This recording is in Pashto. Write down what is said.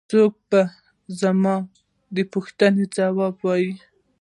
څوک به زما د پوښتنې ځواب ووايي.